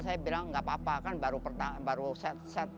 saya bilang gak papa kan baru set set set